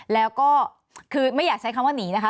แล้วก็คือไม่อยากใช้คำว่าหนีนะคะ